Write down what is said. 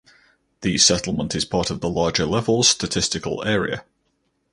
The settlement is part of the larger Levels statistical area.